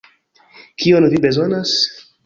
Kion vi bezonas?